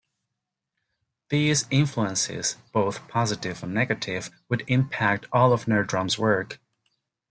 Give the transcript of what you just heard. These influences both positive and negative would impact all of Nerdrum's work.